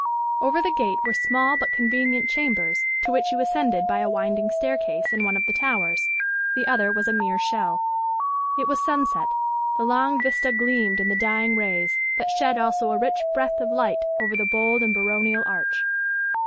Over the gate were small but convenient chambers, to which you ascended by a winding stair . case in one of the towers; the other was a mere shell. It was sunset; the long vista gleamed in the dying rays, that shed also a rich breadth of light over the bold and baronial arch.